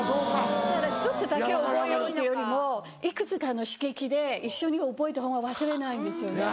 だから１つだけを覚えようっていうよりも幾つかの刺激で一緒に覚えた方が忘れないんですよね。